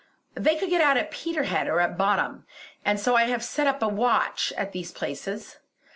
They could get out at Peterhead or at Boddam, and so I have set a watch at these places.